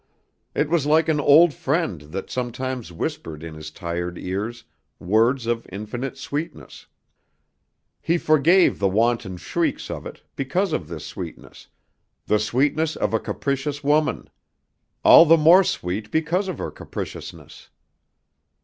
It was like an old friend that sometimes whispered in his tired ears words of infinite sweetness. He forgave the wanton shrieks of it because of this sweetness, the sweetness of a capricious woman, all the more sweet because of her capriciousness.